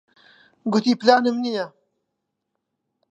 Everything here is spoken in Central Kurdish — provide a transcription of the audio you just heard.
گوتی پلانم نییە.